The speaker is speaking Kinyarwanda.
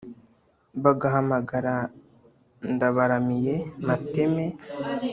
Bagahamagara Ndabaramiye mateme